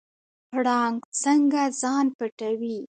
پړانګ څنګه ځان پټوي؟